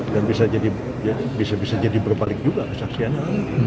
dan bisa jadi berbalik juga saksianya